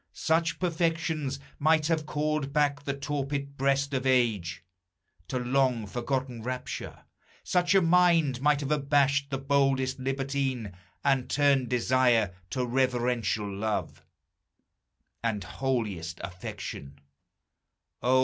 Such perfections Might have called back the torpid breast of age To long forgotten rapture; such a mind Might have abashed the boldest libertine And turned desire to reverential love And holiest affection!